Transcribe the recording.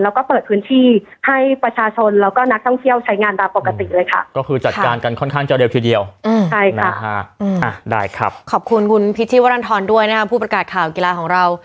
แล้วก็เปิดพื้นที่ให้ประชาชนแล้วก็นักท่องเที่ยวใช้งานตามปกติเลยค่ะ